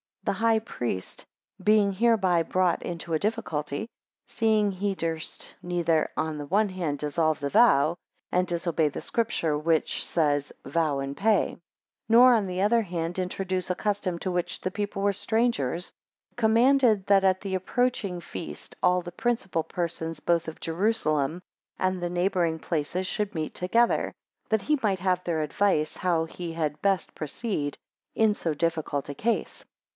7 The high priest being hereby brought into a difficulty, 8 Seeing he durst neither on the one hand dissolve the vow, and disobey the Scripture, which says, Vow and pay, 9 Nor on the other hand introduce a custom, to which the people were strangers, commanded, 10 That at the approaching feast all the principal persons both of Jerusalem and the neighbouring places should meet together, that he might have their advice, how he had best proceed in so difficult a case.